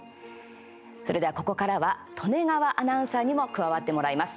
それでは、ここからは利根川アナウンサーにも加わってもらいます。